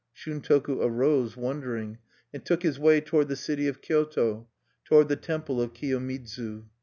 Shuntoku arose, wondering, and took his way toward the city of Kyoto, toward the temple of Kiyomidzu.